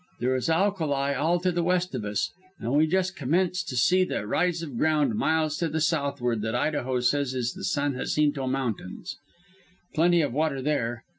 There is alkali all to the west of us, and we just commence to see the rise of ground miles to the southward that Idaho says is the San Jacinto Mountains. Plenty of water there.